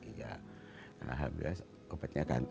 ya alhamdulillah obatnya kan